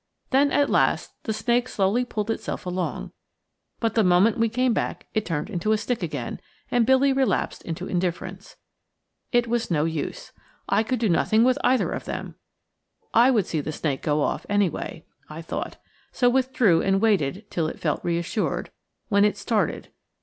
Then at last the snake slowly pulled itself along. But the moment we came back it turned into a stick again, and Billy relapsed into indifference. It was no use. I could do nothing with either of them. I would see the snake go off, anyway, I thought, so withdrew and waited till it felt reassured, when it started.